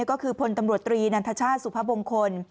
ก็คือพลตำรวจตรีนันทชาติสุพมงคล